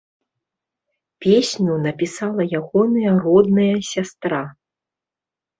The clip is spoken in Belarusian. Песню напісала ягоная родная сястра.